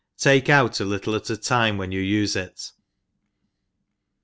Take out a little a( a time when you ufe it.